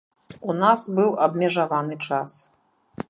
У нас быў абмежаваны час.